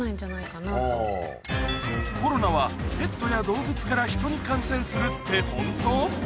コロナはペットや動物から人に感染するってホント？